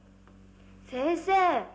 先生